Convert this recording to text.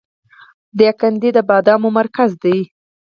دایکنډي د بادامو مرکز دی